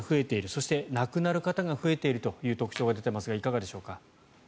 そして亡くなる方が増えているという特徴が出ていますがいかがでしょうか。